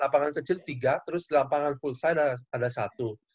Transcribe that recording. lapangan kecil tiga terus lapangan full size ada satu